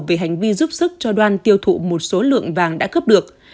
về hành vi giúp sức cho đoan tiêu thụ một số lượng vàng đã cướp được